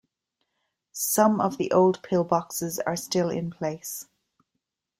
Some of the old pillboxes are still in place.